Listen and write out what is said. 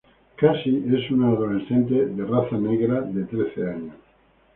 Cassie es una adolescente afroamericana de trece años.